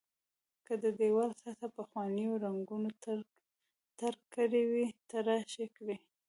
که د دېوال سطحه پخوانیو رنګونو ترک ترک کړې وي تراش کړئ.